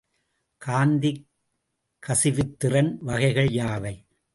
காந்தக் கசிவுத்திறன் வகைகள் யாவை?